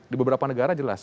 di beberapa negara jelas